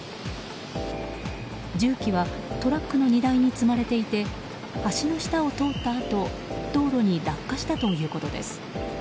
重機はトラックの荷台に積まれていて橋の下を通ったあと道路に落下したということです。